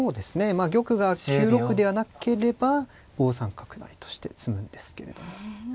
まあ玉が９六ではなければ５三角成として詰むんですけれども。